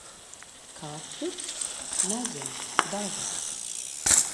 Kaķu? Nezinu - daži.